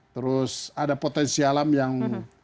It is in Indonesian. terus ada potensi alam yang